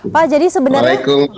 pak jadi sebenarnya